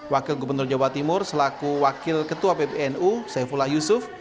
wakil gubernur jawa timur selaku wakil ketua pbnu saifullah yusuf